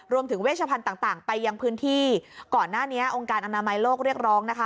เวชพันธุ์ต่างไปยังพื้นที่ก่อนหน้านี้องค์การอนามัยโลกเรียกร้องนะคะ